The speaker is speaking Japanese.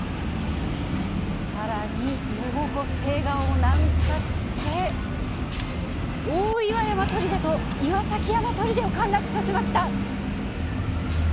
更に余呉湖西岸を南下して大岩山砦と岩崎山砦を陥落させました！